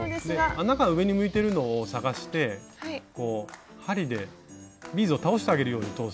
穴が上に向いてるのを探して針でビーズを倒してあげるように通すと通りやすいです。